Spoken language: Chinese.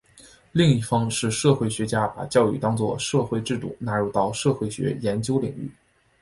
另一方是社会学家把教育当作社会制度纳入到社会学研究领域。